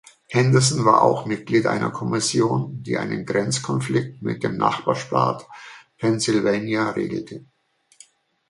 Henderson war auch Mitglied einer Kommission, die einen Grenzkonflikt mit dem Nachbarstaat Pennsylvania regelte.